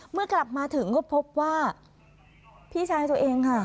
เมื่อกลับมาถึงก็พบว่าพี่ชายตัวเองค่ะ